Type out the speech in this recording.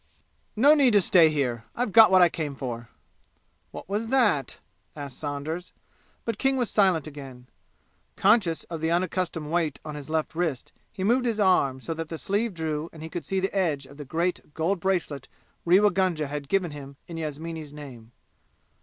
"No need to stay here. I've got what I came for!" "What was that?" asked Saunders, but King was silent again. Conscious of the unaccustomed weight on his left wrist, he moved his arm so that the sleeve drew and he could see the edge of the great gold bracelet Rewa Gunga had given him in Yasmini's name.